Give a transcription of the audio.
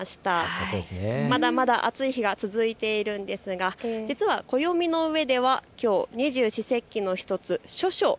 まだまだ暑い日が続いているんですが実は暦の上ではきょう二十四節気の１つ処暑。